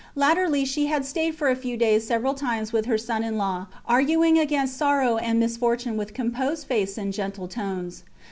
Latterly she had stayed for a few days several times with her son in law, arguing against sorrow and misfortune with composed face and gentle tones.